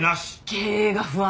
経営が不安だね。